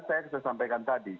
saya sudah sampaikan tadi